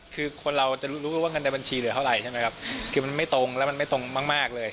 คือคนเราจะรู้รู้ว่าเงินในบัญชีเหลือเท่าไหร่ใช่ไหมครับคือมันไม่ตรงแล้วมันไม่ตรงมากเลย